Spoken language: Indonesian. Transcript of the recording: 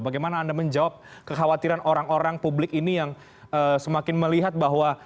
bagaimana anda menjawab kekhawatiran orang orang publik ini yang semakin melihat bahwa